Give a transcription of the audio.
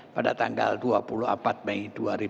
pada tanggal dua puluh empat mei